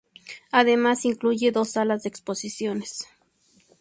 Además, incluye dos salas de exposiciones.